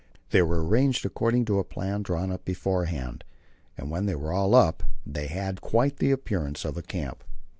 They were arranged according to a plan drawn up beforehand, and when they were all up they had quite the appearance of a camp.